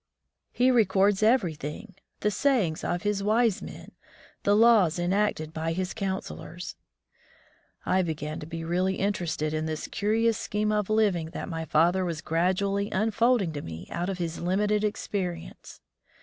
He records everything — the sayings of his wise men, the laws enacted by his counselors." 28 My First School Days I began to be really interested in this curious scheme of living that my father was gradually imf olding to me out of his limited experience.